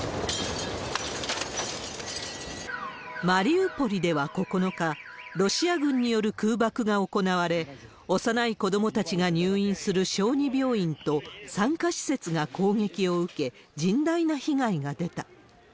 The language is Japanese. マリウポリでは９日、ロシア軍による空爆が行われ、幼い子どもたちが入院する小児病院と産科施設が攻撃を受け、甚大な被害が出た。